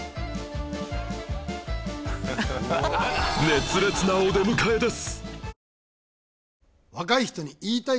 熱烈なお出迎えです